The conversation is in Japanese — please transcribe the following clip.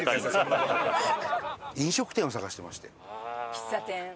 喫茶店。